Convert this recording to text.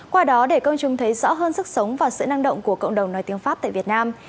qua đó để công chúng thấy rõ hơn sức sống và sự năng động của cộng đồng nói tiếng pháp tại việt nam